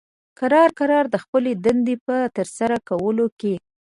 کرار کرار د خپلې دندې په ترسره کولو کې